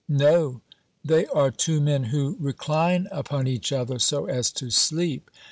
No; they are two men who recline upon each other so as to sleep.